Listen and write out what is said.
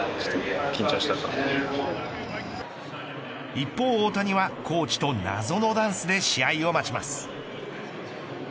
一方、大谷はコーチと謎のダンスで試合を待ちます。